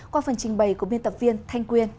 qua phần trình bày của biên tập viên thanh quyên